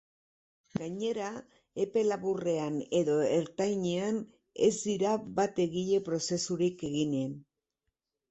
Gainera, epe laburrean edo ertainean ez dira bat-egite prozesurik egingo.